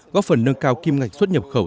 góp phần nâng cao kim ngạch xuất nhập khẩu